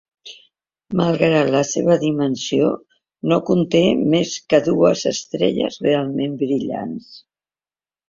Malgrat la seva dimensió, no conté més que dues estrelles realment brillants.